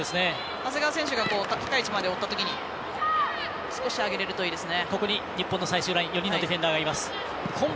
長谷川選手が高い位置まで追ったときに少し上げれるといいですね。